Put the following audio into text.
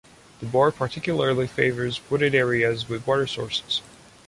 The boar particularly favors wooded areas with water sources.